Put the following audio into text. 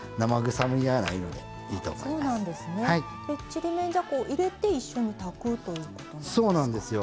ちりめんじゃこを入れて一緒に炊くということなんですか？